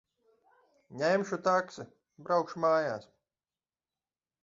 Ņemšu taksi. Braukšu mājās.